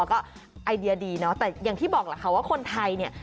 แล้วก็ไอเดียดีเนาะแต่อย่างที่บอกแหละค่ะว่าคนไทยเนี่ย